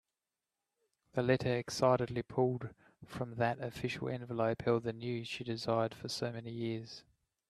The letter excitedly pulled from that official envelope held the news she desired for so many years.